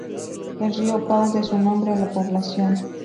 El río Pao da su nombre a la población.